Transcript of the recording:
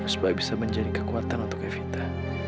supaya bisa menjadi kekuatan untuk evita